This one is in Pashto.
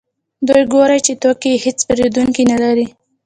دوی ګوري چې توکي یې هېڅ پېرودونکي نلري